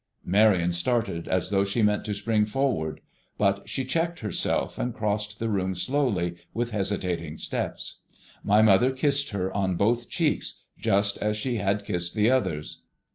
Marion started as though she meant to spring forward; but she checked herself and crossed the room slowly with hesitating steps. My mother kissed her on both cheeks just as she had kissed the others.